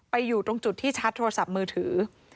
อยู่ตรงจุดที่ชาร์จโทรศัพท์มือถือ